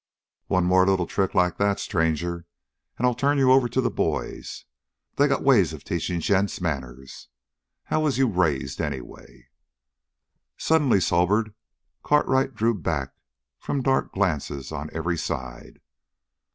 "One more little trick like that, stranger, and I'll turn you over to the boys. They got ways of teaching gents manners. How was you raised, anyway?" Suddenly sobered, Cartwright drew back from dark glances on every side.